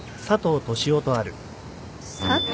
「佐藤」？